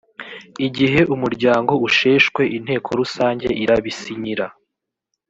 igihe umuryango usheshwe inteko rusange irabisinyira